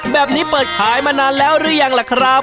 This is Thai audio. แบบนี้เปิดขายมานานแล้วหรือยังล่ะครับ